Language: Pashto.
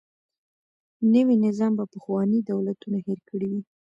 نوی نظام به پخواني دولتونه هیر کړي وي.